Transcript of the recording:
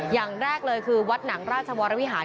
อย่างแรกเลยคือวัดหนังราชวรวิหาร